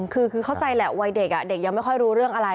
เข้าใจแล้ววันเด็กยังไม่รู้เรื่องอะไร